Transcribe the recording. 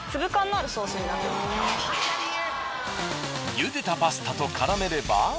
ゆでたパスタと絡めれば。